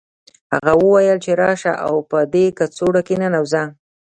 هغه وویل چې راشه او په دې کڅوړه کې ننوځه